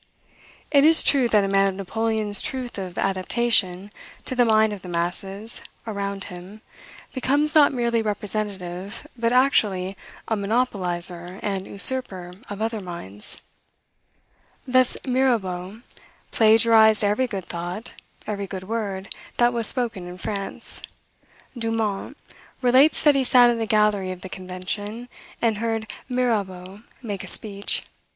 It is true that a man of Napoleon's truth of adaptation to the mind of the masses around him becomes not merely representative, but actually a monopolizer and usurper of other minds. Thus Mirabeau plagiarized every good thought, every good word, that was spoken in France. Dumont relates that he sat in the gallery of the Convention, and heard Mirabeau make a speech.